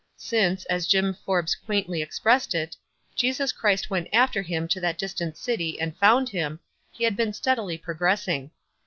Since, as Jim Forbes quaintly ex pressed it, "Jesus Christ went after him to that distant city, and found him," he had been stead ily progressing.